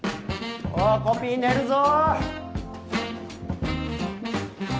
おいコピー練るぞ。